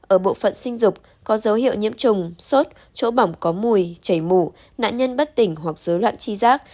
ở bộ phận sinh dục có dấu hiệu nhiễm trùng sốt bỏng có mùi chảy mù nạn nhân bất tỉnh hoặc dối loạn chi giác